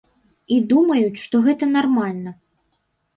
І думаюць, што гэта нармальна.